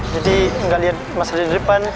jadi nggak liat masalah di depan